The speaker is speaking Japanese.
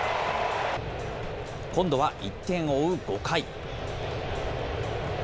今度は１点を追う５回。